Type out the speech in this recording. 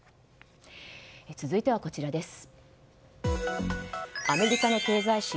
続いては、こちらです。